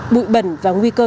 bụi bẩn và nguy cơ